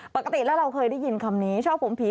ปกติแล้วเราเคยได้ยินคำนี้ชอบผมผี